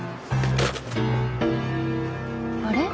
あれ？